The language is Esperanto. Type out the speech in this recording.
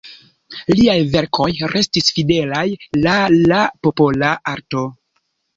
Liaj verkoj restis fidelaj la la popola arto.